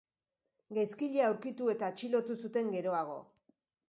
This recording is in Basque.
Gaizkilea aurkitu eta atxilotu zuten geroago.